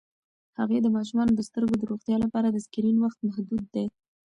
هغې د ماشومانو د سترګو د روغتیا لپاره د سکرین وخت محدودوي.